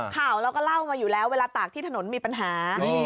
ข่าวเราก็เล่ามาอยู่แล้วเวลาตากที่ถนนมีปัญหา